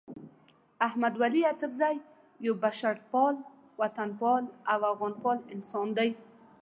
احمد ولي اڅکزی یو بشرپال، وطنپال او افغانپال انسان دی.